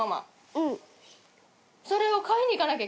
うん。